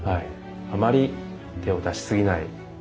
あまり手を出し過ぎない。